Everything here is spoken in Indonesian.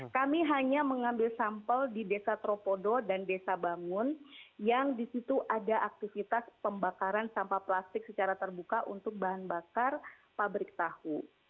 kami hanya mengambil sampel di desa tropodo dan desa bangun yang disitu ada aktivitas pembakaran sampah plastik secara terbuka untuk bahan bakar pabrik tahu